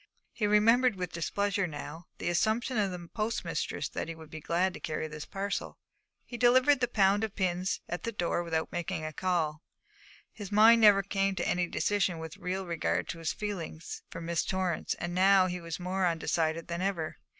He remembered with displeasure now the assumption of the postmistress that he would be glad to carry this parcel. He delivered the pound of pins at the door without making a call. His mind had never come to any decision with regard to his feeling for Miss Torrance, and now he was more undecided than ever.